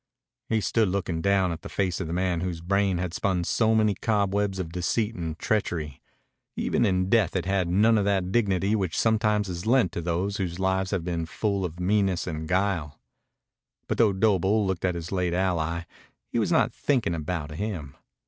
He stood looking down at the face of the man whose brain had spun so many cobwebs of deceit and treachery. Even in death it had none of that dignity which sometimes is lent to those whose lives have been full of meanness and guile. But though Doble looked at his late ally, he was not thinking about him.